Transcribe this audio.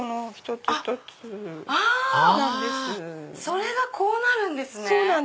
それがこうなるんですね！